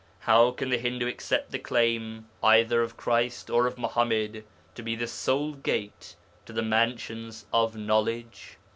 How can the Hindu accept the claim either of Christ or of Muḥammad to be the sole gate to the mansions of knowledge?